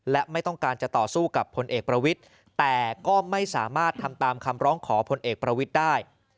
และไม่ต้องการจะต่อสู้กับพลเอกประวิทย์แต่ก็ไม่สามารถทำตามคำร้องขอพลเอกประวิทย์ได้